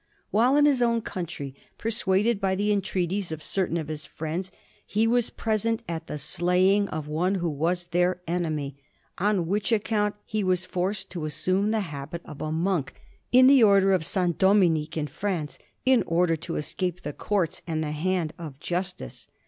While in his own country, persuaded by the entreaties of certain of his friends, he was present at the slaying of one who was their enemy: on which account he was forced to assume the habit of a monk in the Order of S. Dominic in France, in order to escape the courts and the hand of justice.